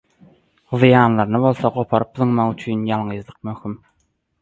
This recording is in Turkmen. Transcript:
zyýanlylaryny bolsa goparyp zyňmak üçin ýalňyzlyk möhüm.